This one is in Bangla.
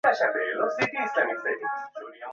বেবি, অনন্তকাল অনেক লম্বা সময়।